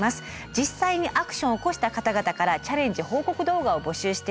実際にアクションを起こした方々からチャレンジ報告動画を募集しています。